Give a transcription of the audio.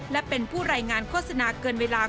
และเป็นผู้รายงานโฆษณาเกินเวลา